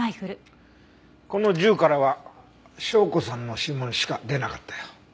この銃からは紹子さんの指紋しか出なかったよ。